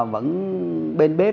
vẫn bên bếp